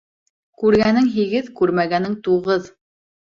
Күргәнең һигеҙ, күрмәгәнең туғыҙ.